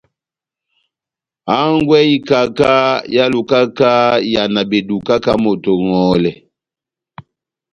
Hangwɛ y'ikaka ehálukaka iyàna beduka ká moto oŋòhòlɛ.